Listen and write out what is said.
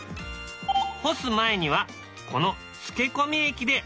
干す前にはこの漬け込み液で味をつける。